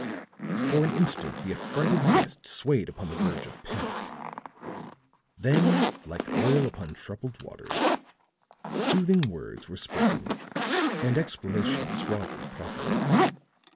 For an instant the affrighted guests swayed upon the verge of panic; then like oil upon troubled waters, soothing words were spoken and explanations suavely proffered.